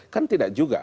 kan tidak juga